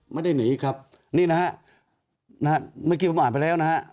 ไม่ได้หนีครับนี่นะฮะเมื่อกี้ผมอ่านไปแล้วนะฮะ